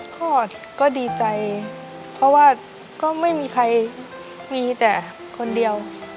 ก็ดีใจเพราะว่าก็ไม่มีใครมีแต่คนเดียว